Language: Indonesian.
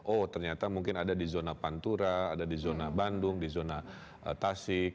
oh ternyata mungkin ada di zona pantura ada di zona bandung di zona tasik